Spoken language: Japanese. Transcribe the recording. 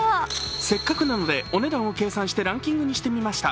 せっかくなのでお値段を計算してランキングにしてみました。